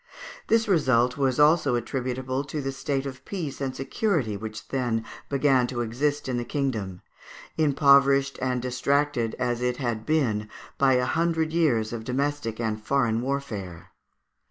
This result was also attributable to the state of peace and security which then began to exist in the kingdom, impoverished and distracted as it had been by a hundred years of domestic and foreign warfare.